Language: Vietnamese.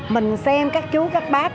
mình xem các chú các bác